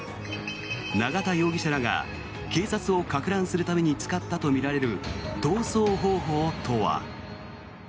永田容疑者らが警察をかく乱するために使ったとみられる逃走方法とは。